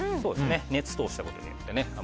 熱通したことによって。